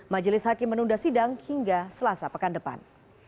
majelis hakim menunda sidang hingga selasa pekan depan